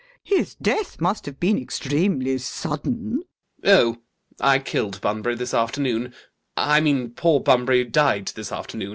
His death must have been extremely sudden. ALGERNON. [Airily.] Oh! I killed Bunbury this afternoon. I mean poor Bunbury died this afternoon.